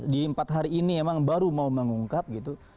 di empat hari ini emang baru mau mengungkap gitu